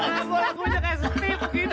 aku juga kayak sedih begini